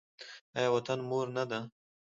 آیا وطن مور نه ده؟